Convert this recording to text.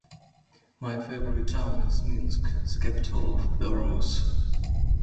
My favorite town is Minsk, the capital city of Belarus.